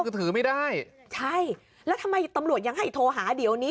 คือถือไม่ได้ใช่แล้วทำไมตำรวจยังให้โทรหาเดี๋ยวนี้